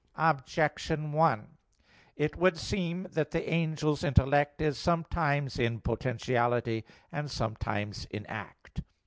Objection 1: It would seem that the angel's intellect is sometimes in potentiality and sometimes in act.